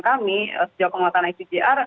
kami sejauh pengamatan icjr